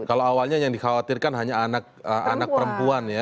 kalau awalnya yang dikhawatirkan hanya anak perempuan ya